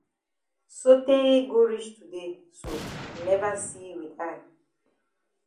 Sotay go reach today so I never see yi with eye.